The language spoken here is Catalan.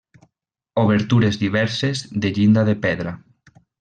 Obertures diverses de llinda de pedra.